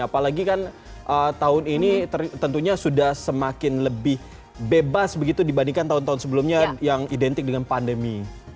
apalagi kan tahun ini tentunya sudah semakin lebih bebas begitu dibandingkan tahun tahun sebelumnya yang identik dengan pandemi